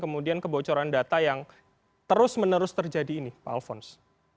kemudian kebocoran data yang terus menerus terjadi ini pak alfons